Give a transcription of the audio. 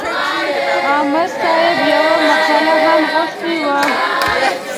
عامر صاحب یوه مقاله هم غوښتې وه.